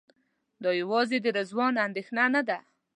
دا یوازې د رضوان اندېښنه نه ده.